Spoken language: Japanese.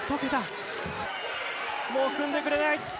もう組んでくれない。